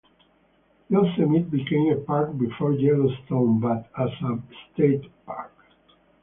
Yosemite became a park before Yellowstone, but as a state park.